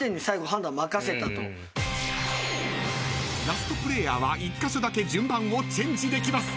［ラストプレーヤーは１カ所だけ順番をチェンジできます］